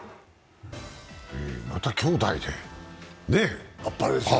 またきょうだいで、あっぱれでしょ。